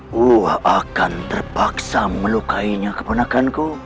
gua akan terpaksa melukainya keponakanku